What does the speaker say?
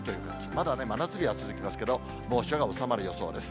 まだね、真夏日は続きますけど、猛暑が収まる予想です。